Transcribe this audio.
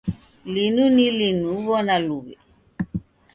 Linu ni linu uw'ona luw'e.